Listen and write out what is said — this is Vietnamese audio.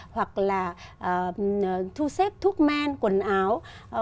hoặc là thu xếp thuốc men quần áo